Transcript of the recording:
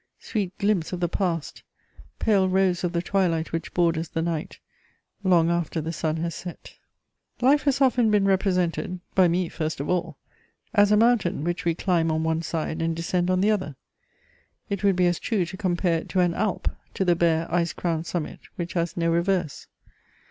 Sweet glimpse of the past, pale rose of the twilight which borders the night, long after the sun has set! * [Sidenote: The Essai Historique.] Life has often been represented (by me first of all) as a mountain which we climb on one side and descend on the other: it would be as true to compare it to an Alp, to the bare, ice crowned summit which has no reverse.